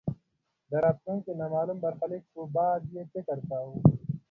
د راتلونکې نامالوم برخلیک په باب یې فکر کاوه.